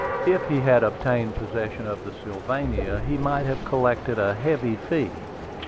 If he had obtained possession of the Sylvania, he might have collected a heavy fee.